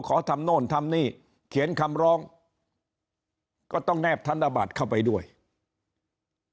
ขอทำโน่นทำนี่เขียนคำร้องก็ต้องแนบธนบัตรเข้าไปด้วย